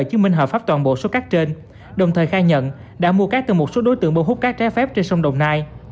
chứng minh hợp pháp toàn bộ số cát trên đồng thời khai nhận đã mua cát từ một số đối tượng bô hút cát trái phép trên sông đồng nai